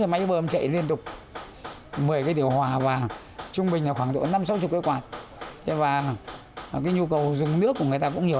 máy bâm nước chạy cả ngày vì nhu cầu dùng nước mát tăng cao